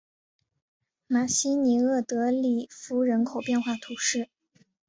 马西尼厄德里夫人口变化图示